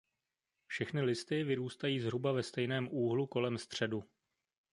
Všechny listy vyrůstají zhruba ve stejném úhlu kolem středu.